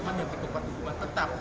nanti kepentingan tetap